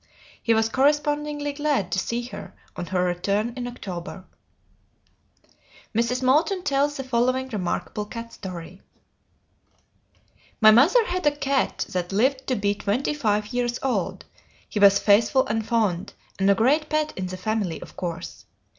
He was correspondingly glad to see her on her return in October. Mrs. Moulton tells the following remarkable cat story: "My mother had a cat that lived to be twenty five years old. He was faithful and fond, and a great pet in the family, of course.